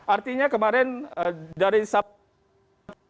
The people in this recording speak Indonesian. artinya kemarin dari sabtu